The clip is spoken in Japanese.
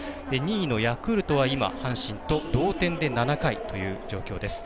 ２位のヤクルトは今、阪神と同点で７回という状況。